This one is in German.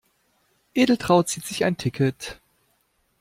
Edeltraud zieht sich ein Ticket.